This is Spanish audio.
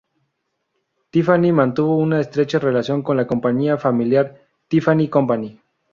Tiffany mantuvo una estrecha relación con la compañía familiar Tiffany Company.